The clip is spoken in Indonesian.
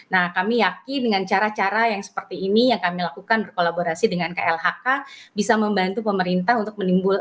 nah kami yakin dengan cara cara yang seperti ini yang kami lakukan berkolaborasi dengan klhk bisa membantu pemerintah untuk menimbulkan